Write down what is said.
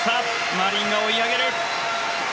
マリンが追い上げる。